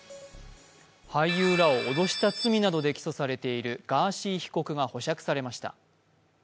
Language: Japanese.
俳優らを脅した罪などで起訴されているガーシー被告が保釈されました。